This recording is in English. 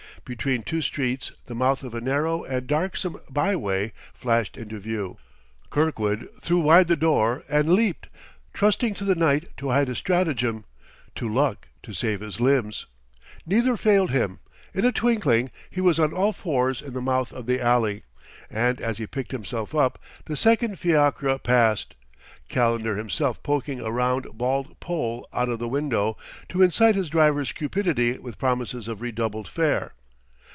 Between two streets the mouth of a narrow and darksome byway flashed into view. Kirkwood threw wide the door, and leaped, trusting to the night to hide his stratagem, to luck to save his limbs. Neither failed him; in a twinkling he was on all fours in the mouth of the alley, and as he picked himself up, the second fiacre passed, Calendar himself poking a round bald poll out of the window to incite his driver's cupidity with promises of redoubled fare.